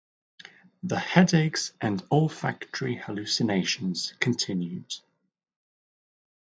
The headaches and olfactory hallucinations continued.